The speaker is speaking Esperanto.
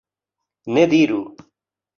Ne diru!